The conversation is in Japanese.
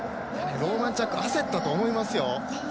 ローマンチャック焦ったと思います。